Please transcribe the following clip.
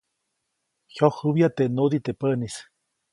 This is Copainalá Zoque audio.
Jyojäbya teʼ nudiʼ teʼ päʼnis.